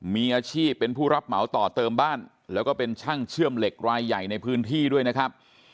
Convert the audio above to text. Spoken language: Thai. มีอาชีพเป็นผู้รับเหมาต่อเติมบ้านแล้วก็เป็นช่างเชื่อมเหล็กรายใหญ่ในพื้นที่ด้วยนะครับ